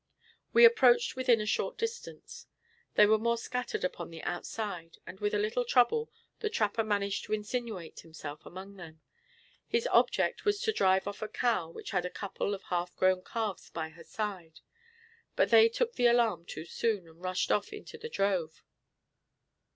We approached within a short distance. They were more scattered upon the outside, and with a little trouble the trapper managed to insinuate himself among them. His object was to drive off a cow which had a couple of half grown calves by her side, but they took the alarm too soon, and rushed off into the drove.